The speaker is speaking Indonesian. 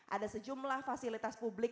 ada sejumlah fasilitas publik